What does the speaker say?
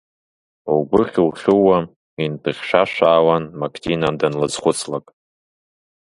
Лгәы хьу-хьууа инҭыхьшәашәаауан, Мактина данлызхуцлак.